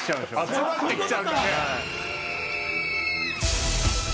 集まってきちゃうんだね。